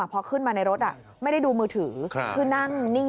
พอขึ้นมาในรถไม่ได้ดูมือถือคือนั่งนิ่ง